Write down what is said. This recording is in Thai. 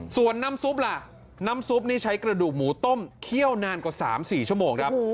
ส่วนน้ำซุปล่ะน้ำซุปนี่ใช้กระดูกหมูต้มเคี่ยวนานกว่า๓๔ชั่วโมงครับ